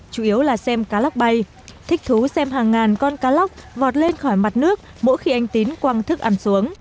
chủ yếu là xem cá lóc bay thích thú xem hàng ngàn con cá lóc vọt lên khỏi mặt nước mỗi khi anh tín quăng thức ăn xuống